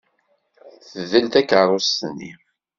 Tdel takeṛṛust-nni.